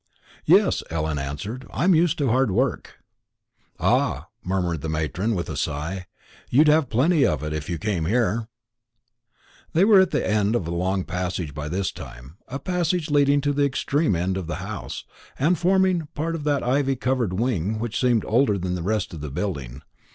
"Yes," Ellen answered, "I'm used to hard work." "Ah," murmured the matron, with a sigh, "you'd have plenty of it, if you came here." They were at the end of a long passage by this time; a passage leading to the extreme end of the house, and forming part of that ivy covered wing which seemed older than the rest of the building.